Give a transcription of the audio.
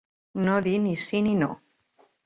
No dir ni sí ni no.